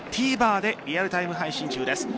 ＴＶｅｒでリアルタイム配信中です。